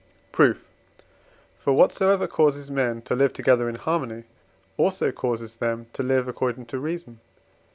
Proof. For whatsoever causes men to live together in harmony also causes them to live according to reason (IV.